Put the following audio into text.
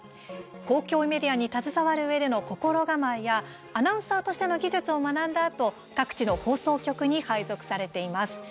公共メディアに携わるうえでの心構えやアナウンサーとしての技術を学んだあと各地の放送局に配属されています。